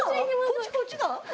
こっちこっちか？